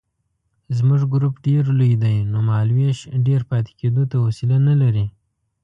زموږ ګروپ ډېر لوی دی نو مهالوېش ډېر پاتې کېدو ته حوصله نه لري.